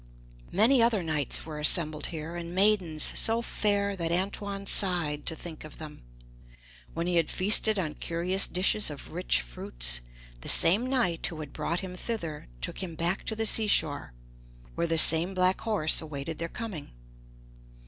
Many other knights were assembled here, and maidens so fair that Antoine sighed to think of them. When he had feasted on curious dishes of rich fruits, the same knight who had brought him thither took him back to the sea shore, where the same black horse awaited their coming.